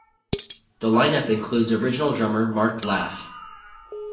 The line-up includes original drummer Mark Laff.